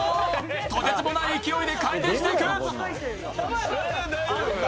とてつもない勢いで回転していく。